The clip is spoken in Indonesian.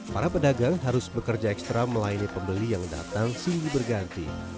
para pedagang harus bekerja ekstra melayani pembeli yang datang sindi berganti